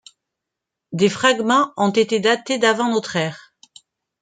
Des fragments ont été datés du avant notre ère.